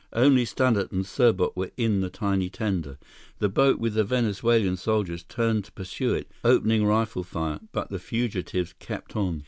Only Stannart and Serbot were in the tiny tender. The boat with the Venezuelan soldiers turned to pursue it, opening rifle fire, but the fugitives kept on.